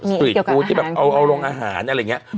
สตรีทฟู้ดที่แบบเอาโรงอาหารอะไรอย่างนี้